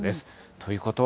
ということは。